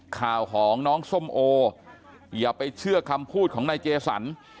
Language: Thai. ข่าวของน้องส้มโออย่าไปเชื่อคำพูดของนายเจสัน